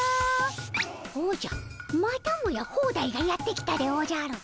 おじゃまたもやホーダイがやって来たでおじゃる。